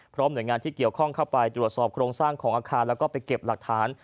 หน่วยงานที่เกี่ยวข้องเข้าไปตรวจสอบโครงสร้างของอาคารแล้วก็ไปเก็บหลักฐาน